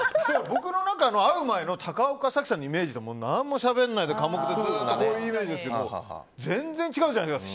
僕の中の会う前の高岡早紀さんのイメージって何もしゃべらないで寡黙でっていうイメージですけど全然違うじゃないですか。